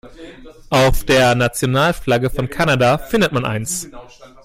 Auf der Nationalflagge von Kanada findet man eins.